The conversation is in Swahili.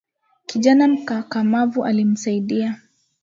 Kijana mkakamavu alimsaidia